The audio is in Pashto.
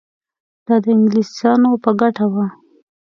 دا د انګلیسیانو په ګټه وه.